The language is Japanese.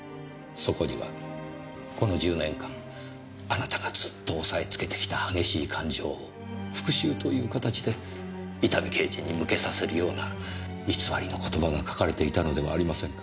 そこにはこの１０年間あなたがずっと抑えつけてきた激しい感情を復讐という形で伊丹刑事に向けさせるような偽りの言葉が書かれていたのではありませんか？